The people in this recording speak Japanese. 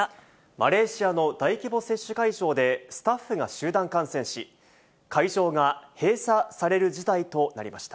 マレーシアの大規模接種会場で、スタッフが集団感染し、会場が閉鎖される事態となりました。